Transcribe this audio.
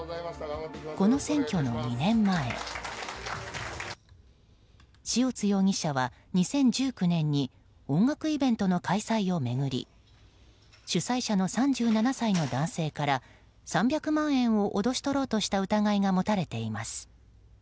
この選挙の２年前塩津容疑者は２０１９年に音楽イベントの開催を巡り主催者の３７歳の男性から３００万円を脅し取ろうとした疑いが持たれています。